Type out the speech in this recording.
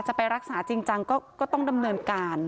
จะไปรักษาจริงจังก็ต้องดำเนินการ